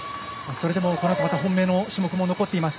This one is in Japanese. それでも、このあと本命の種目も残っています。